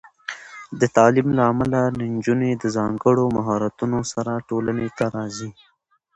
د تعلیم له امله، نجونې د ځانګړو مهارتونو سره ټولنې ته راځي.